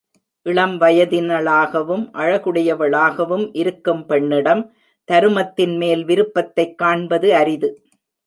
இளம் வயதினளாகவும் அழகுடையவளாகவும் இருக்கும் பெண்ணிடம் தருமத்தின்மேல் விருப்பத்தைக் காண்பது அரிது.